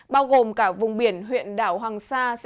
bao gồm cả vùng biển huyện đảo hoàng sa